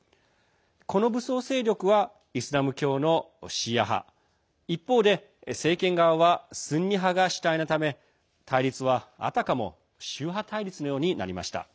この武装勢力はイスラム教のシーア派一方で、政権側はスンニ派が主体なため対立は、あたかも宗派対立のようになりました。